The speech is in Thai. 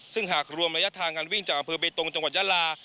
ซึ่งหากรวมระยะทางการวิ่งจากอำเภอเบตงจังหวัดยาลา